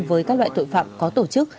với các loại tội phạm có tổ chức